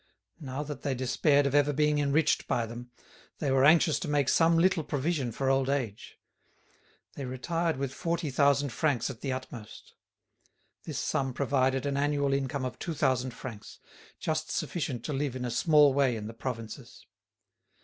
Now that they despaired of ever being enriched by them, they were anxious to make some little provision for old age. They retired with forty thousand francs at the utmost. This sum provided an annual income of two thousand francs, just sufficient to live in a small way in the provinces.